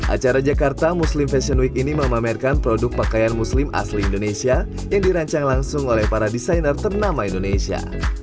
acara jakarta muslim fashion week ini memamerkan produk pakaian muslim asli indonesia yang dirancang langsung oleh para desainer ternama indonesia